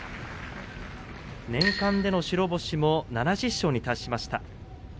年間での白星も７０勝に達しました。